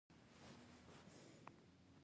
باز د ځان لپاره ښکار کوي